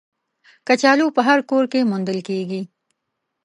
کچالو په هر کور کې موندل کېږي